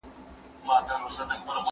په وینا سو په کټ کټ سو په خندا سو